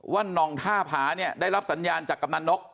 น่องท่าผาเนี่ยได้รับสัญญาณจากกำนันนก